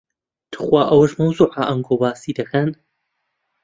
توخوا ئەوەش مەوزوعە ئەنگۆ باسی دەکەن.